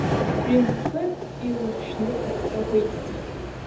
Ҩынтәхынтә илахьшьны исҵәаӷәеит.